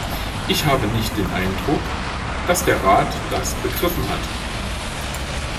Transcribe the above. Ich habe nicht den Eindruck, dass der Rat das begriffen hat.